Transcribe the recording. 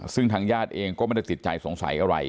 ซึ่งทางญาติเองก็ไม่ได้ติดใจสงสัยอะไร